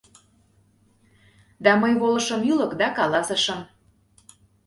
Да мый волышым ӱлык да каласышым.